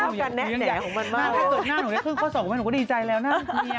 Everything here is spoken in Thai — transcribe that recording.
ถ้าจากหน้าหนูได้คือก้อสอกครัวแม่หนูก็ดีใจแล้วนะ